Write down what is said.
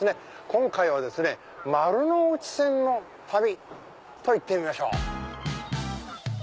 今回は丸ノ内線の旅といってみましょう。